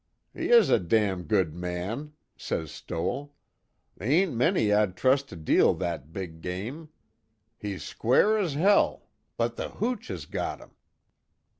'He is a damn good man,' says Stoell, 'They ain't many I'd trust to deal that big game. He's square as hell but, the hooch has got him.'"